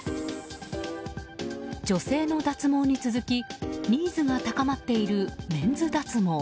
女性の脱毛に続きニーズが高まっているメンズ脱毛。